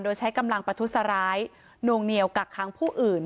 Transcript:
โดยใช้กำลังประทุษร้ายนวงเหนียวกักค้างผู้อื่น